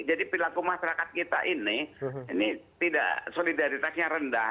jadi perilaku masyarakat kita ini ini tidak solidaritasnya rendah